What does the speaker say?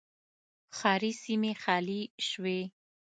ښاري سیمې خالي شوې.